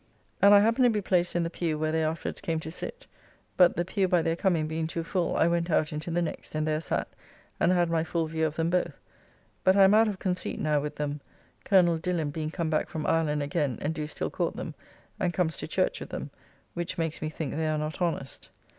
] and I happened to be placed in the pew where they afterwards came to sit, but the pew by their coming being too full, I went out into the next, and there sat, and had my full view of them both, but I am out of conceit now with them, Colonel Dillon being come back from Ireland again, and do still court them, and comes to church with them, which makes me think they are not honest.